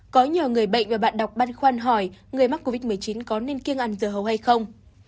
có nhiều người bệnh và bạn đọc băn khoan hỏi người mắc covid một mươi chín có nên kiêng ăn dơ hấu hay không